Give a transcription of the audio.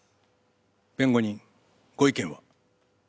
弁護人ご意見は？